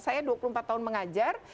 saya dua puluh empat tahun mengajar